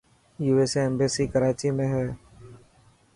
USA ايمبيسي ڪراچي ۾ هي .